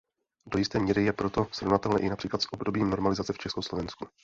Do jisté míry je proto srovnatelné i například s obdobím normalizace v Československu.